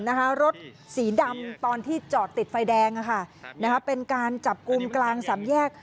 ที่เห็นนะคะรถสีดำตอนที่จอดติดไฟแดงเป็นการจับกลุ่มกลางสำแยก